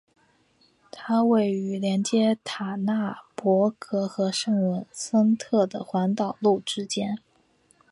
它位于连接塔纳帕格和圣文森特的环岛路之间。